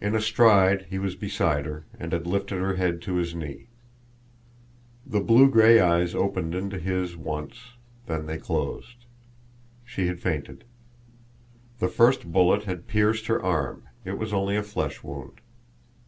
In a stride he was beside her, and had lifted her head to his knee. The blue gray eyes opened into his once, then they closed. She had fainted. The first bullet had pierced her arm; it was only a flesh wound.